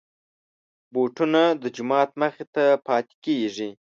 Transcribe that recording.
بوټونه د جومات مخې ته پاتې کېږي.